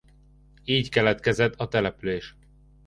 Így keletkezett a település.